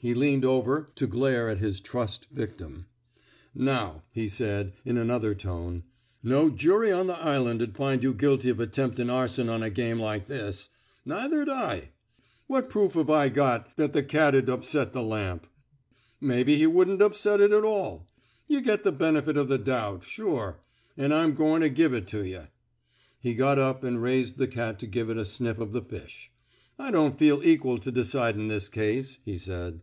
He leaned over to glare at his trussed victim. Now," he said, in another tone, no jury on th* island 'd find you guilty of attemptin' arson on a game like this. Neither 'd I. What proof 've I got that the 82 ON CIECUMSTANTIAL EVIDENCE cat'd upset th' lamp? Mebbe he wouldn't upset it at all. Yuh get the benefit of the doubt, sure. An' I'm goin' to give it to yuh." He got up and raised the cat to give it a sniff of the fish. I don't feel eq'al to decidin' this case," he said.